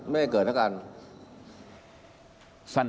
ไม่เกิดทั้งการ